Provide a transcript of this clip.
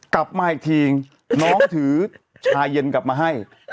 กลับมาอีกทีน้องถือชาเย็นกลับมาให้